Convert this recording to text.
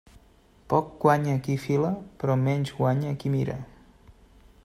Poc guanya qui fila, però menys guanya qui mira.